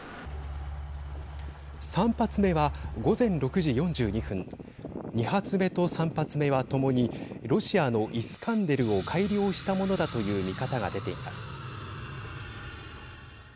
３発目は、午前６時４２分２発目と３発目は、ともにロシアのイスカンデルを改良したものだという見方が出ています。